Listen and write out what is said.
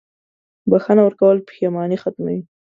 • بښنه ورکول پښېماني ختموي.